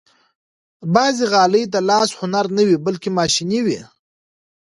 بعضې غالۍ د لاس هنر نه وي، بلکې ماشيني وي.